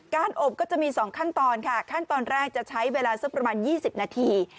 อบก็จะมี๒ขั้นตอนค่ะขั้นตอนแรกจะใช้เวลาสักประมาณ๒๐นาที